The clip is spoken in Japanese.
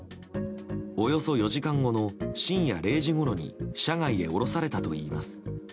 およそ４時間後の深夜０時ごろに車外へ降ろされたといいます。